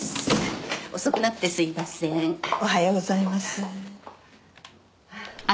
おはようございます。